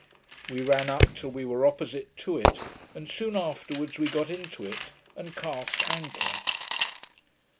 We ran up till we were opposite to it, and soon afterwards we got into it, and cast anchor.